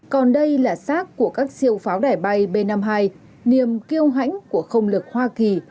còn đây là sát của các siêu pháo đẻ bay b năm mươi hai niềm kêu hãnh của không lực hoa kỳ